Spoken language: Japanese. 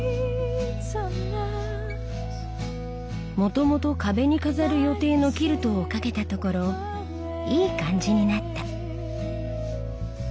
もともと壁に飾る予定のキルトを掛けたところいい感じになった。